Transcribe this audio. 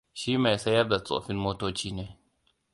Shi mai sayar da tsofin motoci ne.